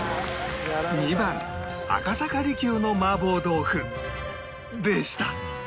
２番赤坂璃宮の麻婆豆腐でした